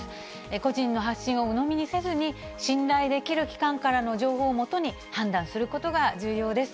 個人の発信をうのみにせずに、信頼できる機関からの情報をもとに判断することが重要です。